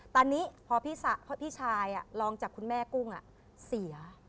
ตอนนี้พอพี่ชายลองจากคุณแม่กุ้งเสีย